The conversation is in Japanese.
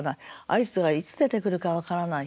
あいつがいつ出てくるか分からない。